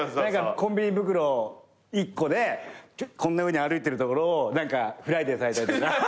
コンビニ袋１個でこんなふうに歩いてるところをフライデーされたり。